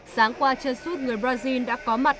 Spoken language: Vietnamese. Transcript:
sáng qua chân suốt người brazil đã có mặt